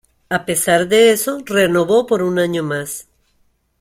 A pesar de eso, renovó por un año más.